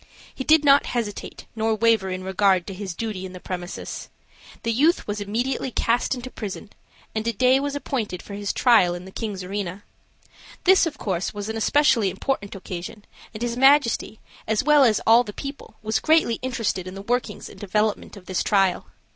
He did not hesitate nor waver in regard to his duty in the premises. The youth was immediately cast into prison, and a day was appointed for his trial in the king's arena. This, of course, was an especially important occasion, and his majesty, as well as all the people, was greatly interested in the workings and development of this trial.